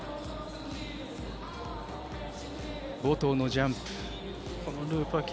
冒頭のジャンプ。